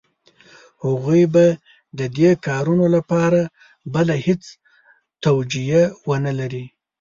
هغوی به د دې کارونو لپاره بله هېڅ توجیه ونه لري.